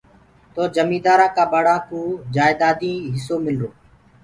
تو جميٚندآرانٚ ڪا ٻڙا ڪوُ جائيٚدادي هِسو مِلرو۔